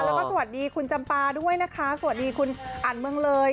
แล้วก็สวัสดีคุณจำปาด้วยนะคะสวัสดีคุณอันเมืองเลย